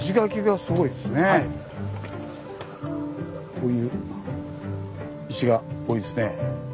こういう石が多いですね。